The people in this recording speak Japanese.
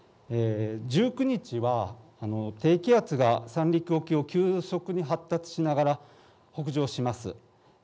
１９日は低気圧が三陸沖を急速に発達しながら北上します。